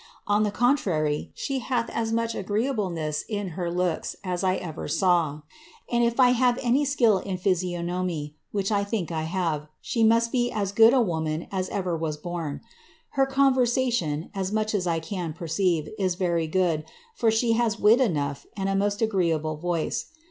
On the contrary, she hatli as much jigreeableDetf in her looks as I ever saw, and if 1 have any skill in physiognooyf which 1 think I have, she must be as good a woman as ever was boift Her conversation, as much as I can perceive, is very good, for she hi> wit enough, and a most agreeable voice.